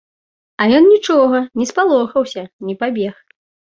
А ён нічога, не спалохаўся, не пабег.